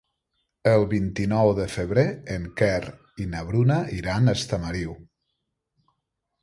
El vint-i-nou de febrer en Quer i na Bruna iran a Estamariu.